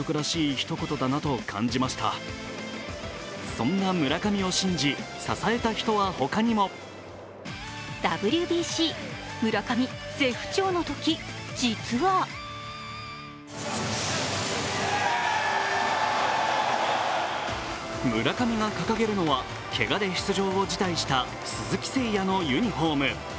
そんな村上を信じ、支えた人は他にも村上が掲げるのは、けがで出場を辞退した鈴木誠也のユニフォーム。